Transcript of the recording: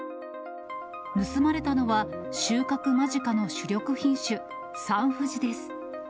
盗まれたのは、収穫間近の主力品種、サンふじです。